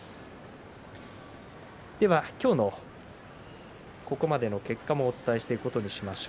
今日のここまでの結果をお伝えします。